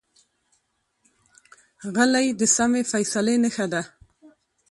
غلی، د سمې فیصلې نښه ده.